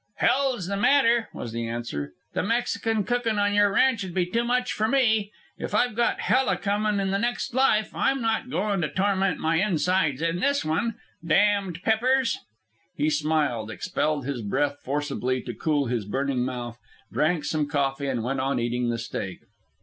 "Hell's the matter," was the answer. "The Mexican cookin' on your ranch'd be too much for me. If I've got hell a comin' in the next life, I'm not goin' to torment my insides in this one. Damned peppers!" He smiled, expelled his breath forcibly to cool his burning mouth, drank some coffee, and went on eating the steak.